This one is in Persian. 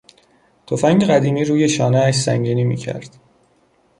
تفنگ قدیمی روی شانهاش سنگینی میکرد.